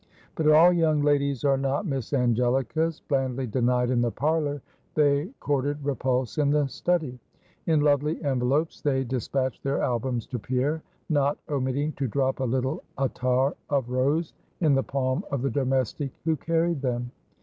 But all young ladies are not Miss Angelicas. Blandly denied in the parlor, they courted repulse in the study. In lovely envelopes they dispatched their albums to Pierre, not omitting to drop a little attar of rose in the palm of the domestic who carried them.